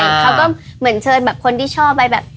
เขาก็เหมือนเชิญแบบคนที่ชอบไปแบบ